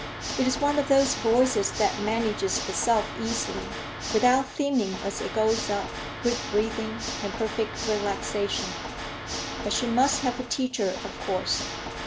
It is one of those voices that manages itself easily, without thinning as it goes up; good breathing and perfect relaxation. But she must have a teacher, of course.